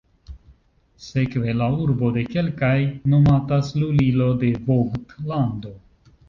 Sekve la urbo de kelkaj nomatas lulilo de Vogt-lando.